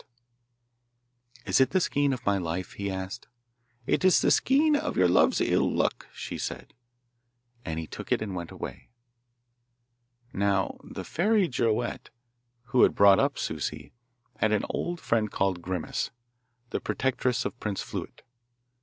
'Is it the skein of my life?' he asked. 'It is the skein of your love's ill luck,' she said. And he took it and went away. Now the fairy Girouette, who had brought up Souci, had an old friend called Grimace, the protectress of Prince Fluet.